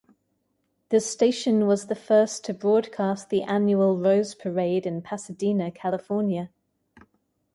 The station was the first to broadcast the annual Rose Parade in Pasadena, California.